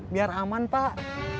biar aman pak